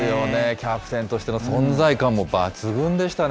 キャプテンとしての存在感も抜群でしたね。